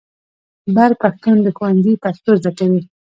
بر پښتون د ښوونځي پښتو زده کوي.